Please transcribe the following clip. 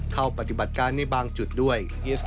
เข้าปฏิบัติการในบางจุดด้วย